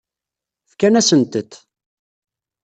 Fkan-asent-t.